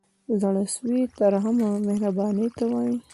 زړه سوی ترحم او مهربانۍ ته وايي.